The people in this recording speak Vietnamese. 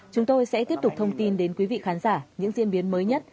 chúng tôi sẽ tiếp tục thông tin đến quý vị khán giả những diễn biến mới nhất